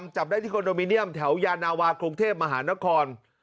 จับได้ที่คอนโดมิเนียมแถวยานาวากรุงเทพมหานคร